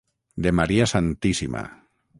De Maria Santíssima.